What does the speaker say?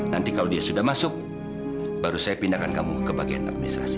nanti kalau dia sudah masuk baru saya pindahkan kamu ke bagian administrasi